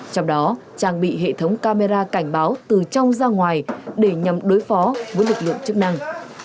trong đó trang bị hệ thống camera cảnh báo từ trong ra ngoài để nhằm đối phó với lực lượng chức năng